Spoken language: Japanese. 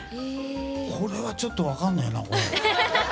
これはちょっと分からないな。